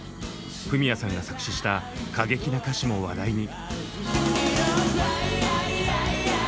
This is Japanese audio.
フミヤさんが作詞した過激な歌詞も話題に。